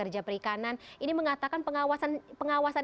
japerikanan ini mengatakan pengawasan